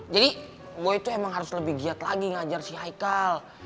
jadi boy itu emang harus lebih giat lagi ngajar si haikal